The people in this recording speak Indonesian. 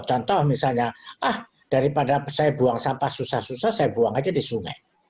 contoh misalnya ah daripada saya buang sampah susah susah saya buang aja di sungai